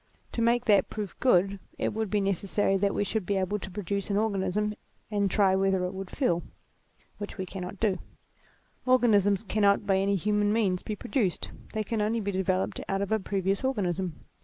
To make that proof good it would be necessary that we should be able to produce an organism, and try whether it would feel ; which we cannot do ; organisms cannot by any human means be produced, they can only be developed out of a previous organism.